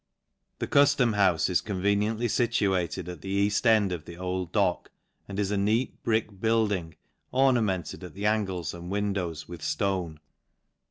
The Cuftom houfe is conveniently fituated at 1 eafl end of the Old Dock , and is a neat brick bui ing, ornamented at the angles and windows w flone.